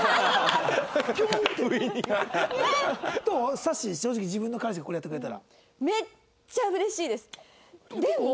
さっしー正直自分の彼氏がこれやってくれたら。